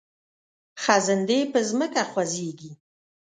خزندې په ځمکه خوځیږي